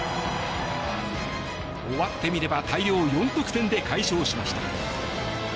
終わってみれば大量４得点で快勝しました。